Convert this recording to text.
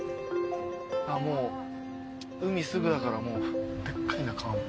もう海すぐだからでっかいな川も。